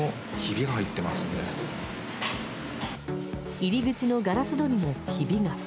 入り口のガラス戸にもひびが。